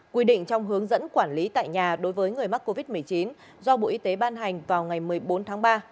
quy định trong hướng dẫn quản lý tại nhà đối với người mắc covid một mươi chín do bộ y tế ban hành vào ngày một mươi bốn tháng ba